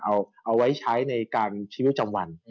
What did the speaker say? เอาไว้ใช้ในการชีวิตจำวัน